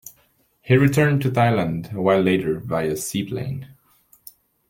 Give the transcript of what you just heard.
He returned to Thailand a while later via seaplane.